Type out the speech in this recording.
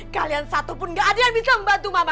kalian satu pun gak ada yang bisa membantu mama